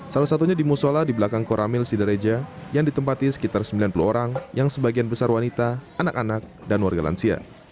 salah satunya di musola di belakang koramil sidareja yang ditempati sekitar sembilan puluh orang yang sebagian besar wanita anak anak dan warga lansia